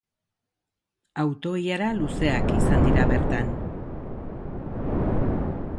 Auto-ilara luzeak izan dira bertan.